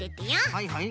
はいはい。